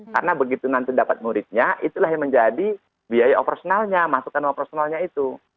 karena begitu nanti dapat muridnya itulah yang menjadi biaya operasionalnya masukan operasionalnya itu